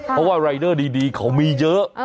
เพราะว่ารายเดอร์ดีเขามีเยอะ